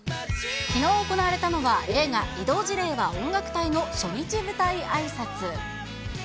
きのう行われたのは、映画、異動辞令は音楽隊！の初日舞台あいさつ。